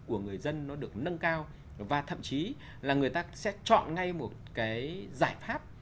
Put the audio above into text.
của người dân nó được nâng cao và thậm chí là người ta sẽ chọn ngay một cái giải pháp